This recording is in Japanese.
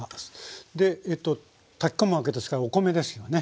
でええと炊き込むわけですからお米ですよね。